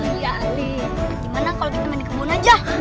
gimana kalau kita main di kebun aja